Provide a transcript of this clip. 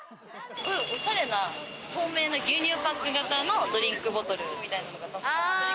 おしゃれな透明な牛乳パック型のドリンクボトル。